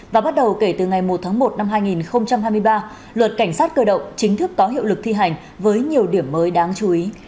và bắt đầu kể từ ngày một tháng một năm hai nghìn hai mươi ba luật cảnh sát cơ động chính thức có hiệu lực thi hành với nhiều điểm mới đáng chú ý